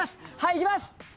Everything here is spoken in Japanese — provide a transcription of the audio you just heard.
いきます！